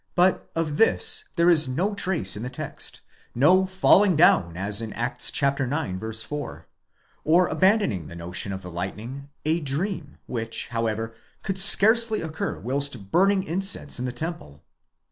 but of this there is no trace in the text (no falling down as in Acts. ix. 4); or, abandoning the notion of the lightning, a dream, which, however, could scarcely occur whilst burning incense in the temple.